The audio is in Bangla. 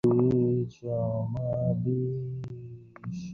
গোরার কাছে তাহার নিজের ইচ্ছা কী প্রচণ্ড!